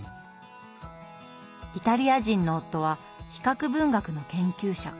イタリア人の夫は比較文学の研究者。